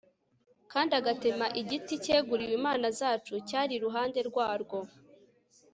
kandi agatema igiti cyeguriwe imana zacu cyari iruhande rwarwo